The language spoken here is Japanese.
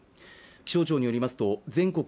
気象庁によりますと全国